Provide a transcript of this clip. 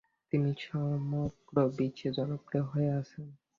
তিনি সমগ্র বিশ্বে জনপ্রিয় হয়ে আছেন।